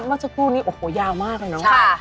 มักจะพูดนี่โอ้โหยาวมากเลยนะว่ะ